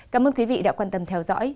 cảm ơn quý vị đã quan tâm theo dõi